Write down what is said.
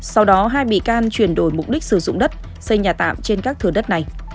sau đó hai bị can chuyển đổi mục đích sử dụng đất xây nhà tạm trên các thừa đất này